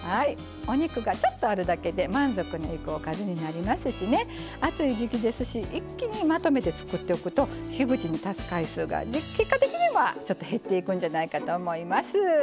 お肉がちょっとあるだけで満足のいくおかずになりますし暑い時期ですし一気にまとめて作っておくと火口に立つ回数が結果的にはちょっと減っていくんじゃないかと思います。